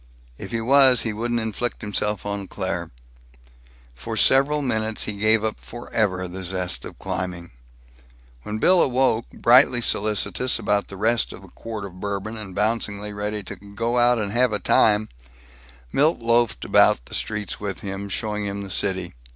If he was, he wouldn't inflict himself on Claire. For several minutes he gave up forever the zest of climbing. When Bill awoke, brightly solicitous about the rest of the quart of Bourbon, and bouncingly ready to "go out and have a time," Milt loafed about the streets with him, showing him the city.